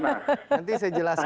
nanti saya jelaskan